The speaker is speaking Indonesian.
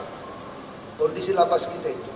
kondisi lapas kita itu